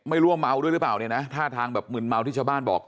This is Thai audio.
ไม่รู้ว่าเมาด้วยหรือเปล่าเนี่ยนะท่าทางแบบมึนเมาที่ชาวบ้านบอก